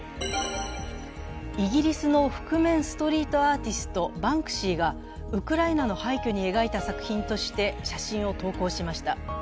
イギリスの覆面ストリートアーティスト、バンクシーがウクライナの廃虚に描いた作品として写真を投稿しました。